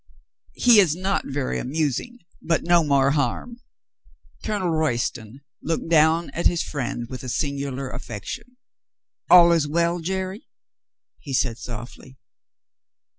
"He is not very amusing, but no more harm." Colonel Royston looked down at his friend with a singular affection. "All is well, Jerry?" he said softly.